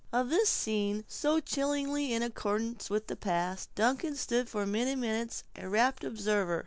Of this scene, so chillingly in accordance with the past, Duncan stood for many minutes a rapt observer.